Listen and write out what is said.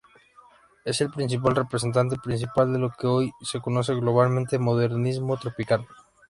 Es el principal representante principal de lo que hoy se conoce globalmente modernismo tropical.